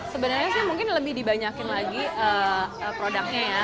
sebenarnya sih mungkin lebih dibanyakin lagi produknya ya